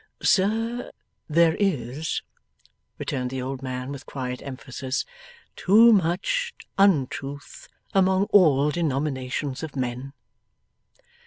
'Sir, there is,' returned the old man with quiet emphasis, 'too much untruth among all denominations of men.